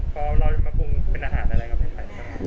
อ๋อแต่พอเรามาพุ่งเป็นอาหารอะไรกับไข่ลูกเคยนะฮะ